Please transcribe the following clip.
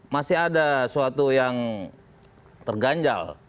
masih ada suatu yang terganjal